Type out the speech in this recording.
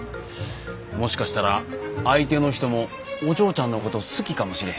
もしかしたら相手の人もお嬢ちゃんのこと好きかもしれへんな。